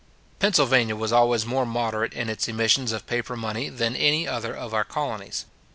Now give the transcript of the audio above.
Pennsylvania was always more moderate in its emissions of paper money than any other of our colonies.